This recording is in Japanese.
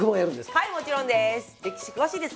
はいもちろんです。